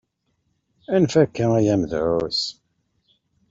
Anef akka ay amedεus!